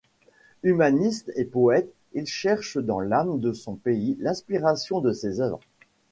Humaniste et poète, il cherche dans l'âme de son pays l'inspiration de ses œuvres.